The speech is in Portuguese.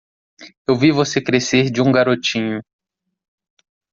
Eu vi você crescer de um garotinho.